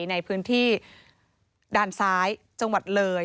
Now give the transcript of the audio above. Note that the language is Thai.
ในพื้นที่ด้านซ้ายจังหวัดเลย